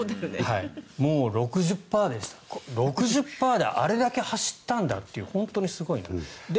もう６０％でした６０％であれだけ走ったんだという本当にすごいなと。